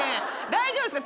大丈夫ですか？